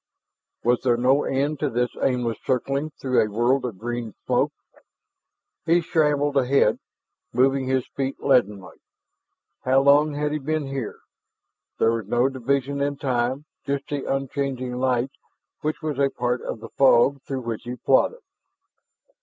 Was there no end to this aimless circling through a world of green smoke? He shambled ahead, moving his feet leadenly. How long had he been here? There was no division in time, just the unchanging light which was a part of the fog through which he plodded.